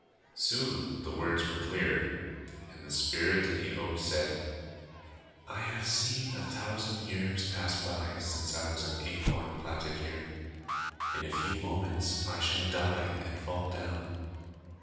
Soon the words were clear, and the spirit in the oak said: "I have seen a thousand years pass by, since I was an acorn planted here. In a few moments I shall die and fall down.